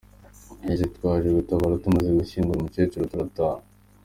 Yagize ati “Twaje gutabara, tumaze gushyingura umukecuru, turataha.